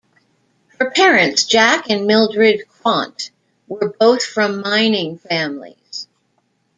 Her parents, Jack and Mildred Quant, were both from mining families.